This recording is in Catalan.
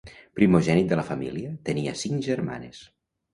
Primogènit de la família, tenia cinc germanes.